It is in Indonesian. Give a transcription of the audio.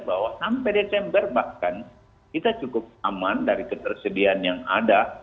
bahwa sampai desember bahkan kita cukup aman dari ketersediaan yang ada